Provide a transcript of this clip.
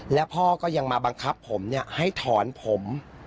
แล้วพ่อก็ยังมาบังคับผมให้ถอนผม